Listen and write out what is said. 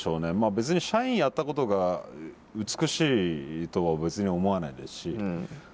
別に社員やったことが美しいとは別に思わないですし。